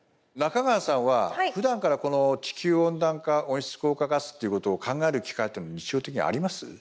中川さんはふだんからこの地球温暖化温室効果ガスということを考える機会って日常的にあります？